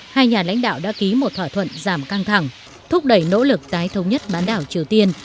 hai nhà lãnh đạo đã ký một thỏa thuận giảm căng thẳng thúc đẩy nỗ lực tái thống nhất bán đảo triều tiên